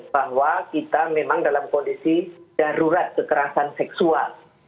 bahwa kita memang dalam kondisi darurat kekerasan seksual